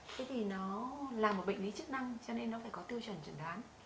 thế thì nó là một bệnh lý chức năng cho nên nó phải có tiêu chuẩn trần đoán